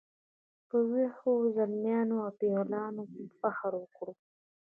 په ویښو زلمیانو او پیغلانو فخر وکړو.